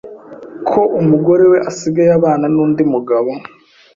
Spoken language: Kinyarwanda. ko umugore we asigaye abana n’undi mugabo.